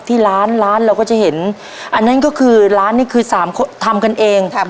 ทับผลไม้เยอะเห็นยายบ่นบอกว่าเป็นยังไงครับ